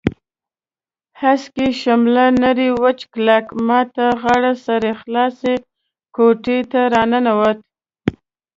هسکې شمله نری وچ کلک، ما ته غاړه سړی خلاصې کوټې ته راننوت.